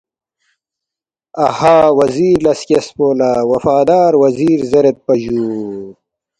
اَہا وزیر لہ سکیسفو لہ وفادار وزیر زیریدپا جُو